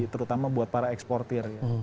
terutama buat para eksportir ya